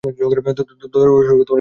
দশ বছর খেলা করেও সাধ মেটেনি?